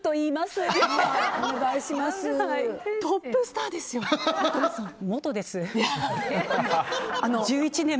トップスターですよね？